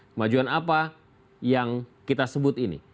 kemajuan apa yang kita sebut ini